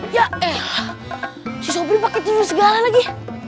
ya eh si sobri pakai cinta segala lagi